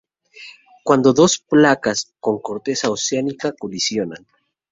Cuando dos placas con corteza oceánica colisionan.